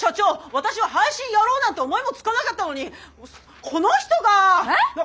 私は配信やろうなんて思いもつかなかったのにこの人が。えっ！？